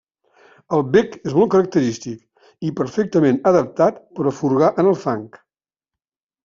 El bec és molt característic, i perfectament adaptat per a furgar en el fang.